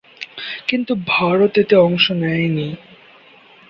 কিন্তু ভারত এতে অংশ নেয়নি।